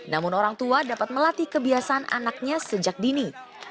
namun orang tua dapat melatih kebiasaan anaknya sejak dini